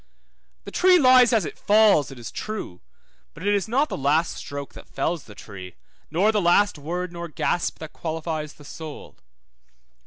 The tree lies as it falls, it is true, but it is not the last stroke that fells the tree, nor the last word nor gasp that qualifies the soul.